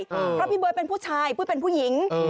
เพราะพี่เบิร์ตเป็นผู้ชายปุ้ยเป็นผู้หญิง